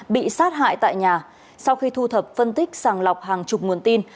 bị sát hại tại nhà sau khi thu thập phân tích sàng lọc hàng chục nguồn tin